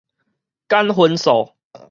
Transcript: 簡分數